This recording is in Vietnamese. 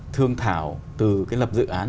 thương thảo từ cái lập dự án